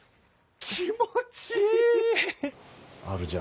気持ちいい！